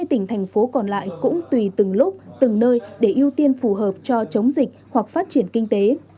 ba mươi tỉnh thành phố còn lại cũng tùy từng lúc từng nơi để ưu tiên phù hợp cho chống dịch hoặc phát triển kinh tế